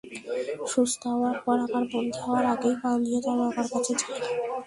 সুস্থ হওয়ার পর আবার বন্দি হওয়ার আগেই পালিয়ে তার বাবার কাছে যায়।